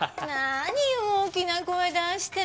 何よ大きな声出して。